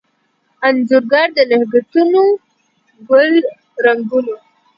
انځورګر دنګهتونوګل رنګونو